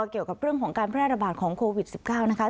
เกี่ยวกับเรื่องของการแพร่ระบาดของโควิด๑๙นะคะ